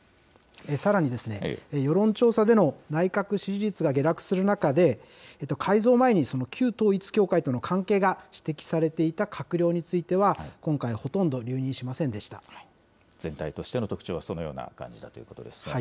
さらに、世論調査での内閣支持率が下落する中で、改造前に旧統一教会との関係が指摘されていた閣僚については、今回、ほとんど留全体としての特徴はそのような感じだということですね。